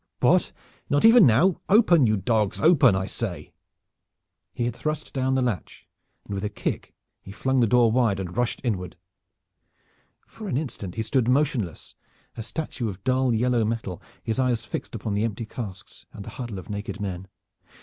What, not even now! Open, you dogs. Open, I say!" He had thrust down the latch, and with a kick he flung the door wide and rushed inward. For an instant he stood motionless, a statue of dull yellow metal, his eyes fixed upon the empty casks and the huddle of naked men.